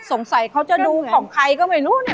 สงสัยเขาจะดูของใครก็ไม่รู้เนี่ย